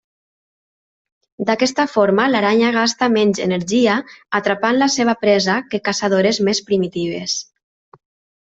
D'aquesta forma, l'aranya gasta menys energia atrapant la seva presa que caçadores més primitives.